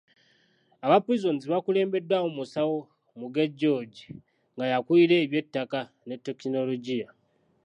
Aba Prisons bakulembeddwamu Musawo Muge George, nga y'akulira ebyettaka ne tekinologiya.